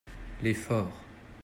les forts.